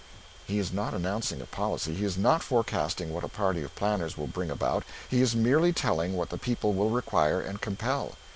He is not announcing a policy; he is not forecasting what a party of planners will bring about; he is merely telling what the people will require and compel.